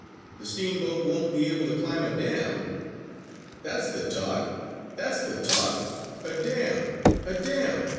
"The steamboat won't be able to climb a dam!" "That's the talk! That's the talk! A dam! A dam!